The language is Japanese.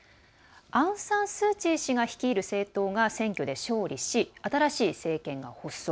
アウン・サン・スー・チー氏が率いる政党が選挙で勝利し、新しい政権が発足。